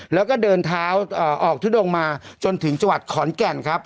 แล้วก็เดินเท้าออกทุดงมาจนถึงจังหวัดขอนแก่นครับ